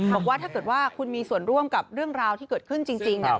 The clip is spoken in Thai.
บอกว่าถ้าเกิดว่าคุณมีส่วนร่วมกับเรื่องราวที่เกิดขึ้นจริงเนี่ย